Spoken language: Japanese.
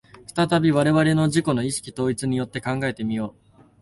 再び我々の自己の意識統一によって考えて見よう。